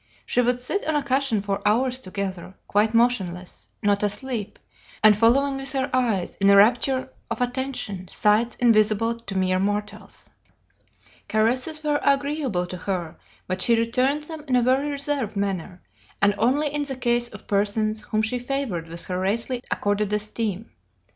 She would sit on a cushion for hours together, quite motionless, not asleep, and following with her eyes, in a rapture of attention, sights invisible to mere mortals. Caresses were agreeable to her, but she returned them in a very reserved manner, and only in the case of persons whom she favored with her rarely accorded esteem.